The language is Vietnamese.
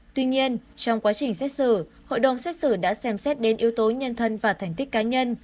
tuy nhiên trong quá trình xét xử hội đồng xét xử đã xem xét đến yếu tố nhân thân và thành tích cá nhân